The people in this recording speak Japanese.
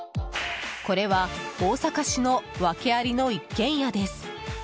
これは大阪市の訳ありの一軒家です。